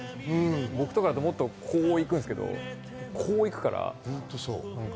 僕とかだと、こう行くんですけど、こう行くから。